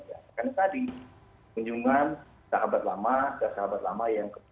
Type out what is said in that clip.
ya karena tadi kunjungan sahabat lama dan sahabat lama yang ke dua